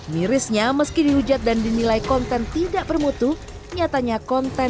mirisnya meski dihujat dan dinilai konten tidak bermutu nyatanya kontennya tidak berguna dan